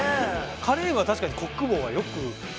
カレームは確かにコック帽はよく聞くなあ。